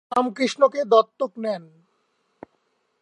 তিনি রামকৃষ্ণকে দত্তক নেন।